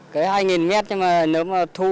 cấy hai m nhưng mà nếu mà thu